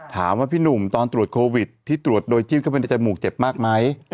ถามว่าพี่หนุ่มตอนตรวจโควิดที่ตรวจโดยจิ้มเข้าไปในจมูกเจ็บมากไหม